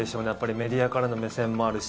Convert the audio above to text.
メディアからの目線もあるし